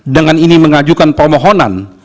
dengan ini mengajukan permohonan